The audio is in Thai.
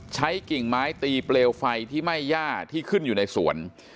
กิ่งไม้ตีเปลวไฟที่ไหม้ย่าที่ขึ้นอยู่ในสวน